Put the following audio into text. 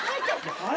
はい。